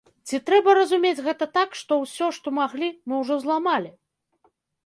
Ці трэба разумець гэта так, што ўсё, што маглі, мы ўжо зламалі?